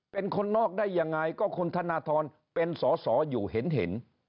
เป็นคนนอกได้ยังไงก็คุณธนทรเป็นสอสออยู่เห็น